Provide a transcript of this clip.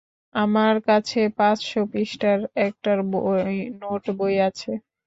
আমার কাছে পাঁচ শ পৃষ্ঠার একটা নোট বই আছে।